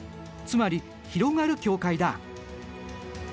つまり広がる境界だ。